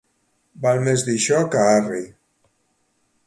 Val més dir xo que arri.